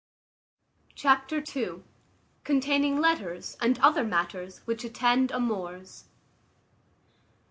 Chapter ii. Containing letters and other matters which attend amours.